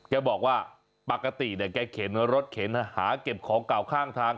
แกบอกว่าปกติเนี่ยแกเข็นรถเข็นหาเก็บของเก่าข้างทาง